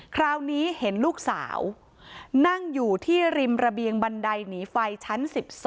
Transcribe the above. คราวนี้เห็นลูกสาวนั่งอยู่ที่ริมระเบียงบันไดหนีไฟชั้น๑๒